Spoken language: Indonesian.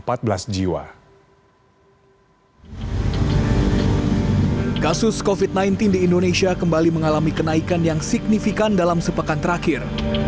pada selasa sebelas april kasus covid sembilan belas di indonesia mengalami kenaikan signifikan dalam sepekan terakhir